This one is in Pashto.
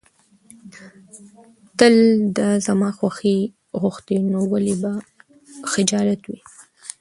تل د زما خوښي غوښتې، نو ولې به خجالت وې.